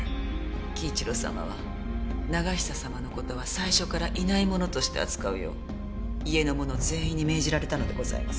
輝一郎様は永久様の事は最初からいないものとして扱うよう家の者全員に命じられたのでございます。